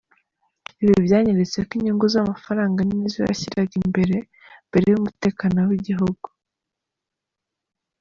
Ibi byanyeretse ko inyungu z’amafaranga nizo yashyiraga imbere mbere y’umutekano w’igihugu.